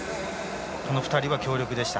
この２人は強力でした。